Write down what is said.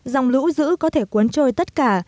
dòng lũ dữ có thể cuốn trôi tất cả